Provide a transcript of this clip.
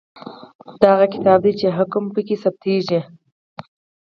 دا هغه کتاب دی چې احکام پکې ثبتیږي.